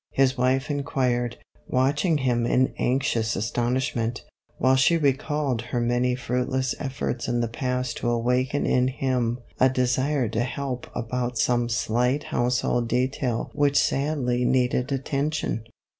" his wife inquired, watching him in anxious astonishment, while she recalled her many fruitless efforts in the past to awaken in him a desire to help about some slight household detail which sadly needed attention.